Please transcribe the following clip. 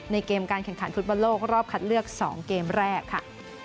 ในเกมการแข่งขันธุรกิจภูมิโลกรอบคัดเลือกสองเกมแรกค่ะ